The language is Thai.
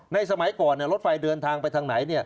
สมัยก่อนรถไฟเดินทางไปทางไหน